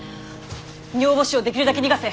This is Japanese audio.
女房衆をできるだけ逃がせ！